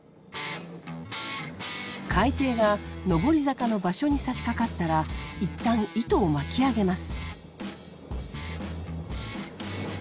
海底が上り坂の場所にさしかかったら一旦糸を巻き上げます。